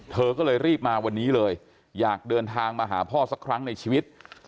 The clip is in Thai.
เธอก็เลยรีบมาวันนี้เลยอยากเดินทางมาหาพ่อสักครั้งในชีวิต